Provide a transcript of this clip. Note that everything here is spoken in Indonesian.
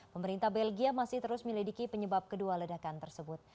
pemerintah belgia masih terus melidiki penyebab kedua ledakan tersebut